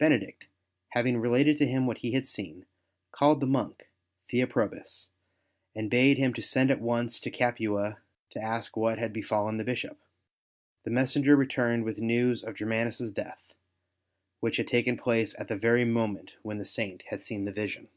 Benedict, having related to him what he had seen, called the monk Theoprobus and bade him send at once to Capua to ask what had befallen the Bishop. The messenger returned with the news of Germanus' death, which had taken place at the very moment when the Saint had seen the vision.